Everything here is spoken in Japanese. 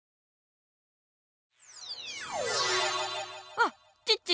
あっチッチ。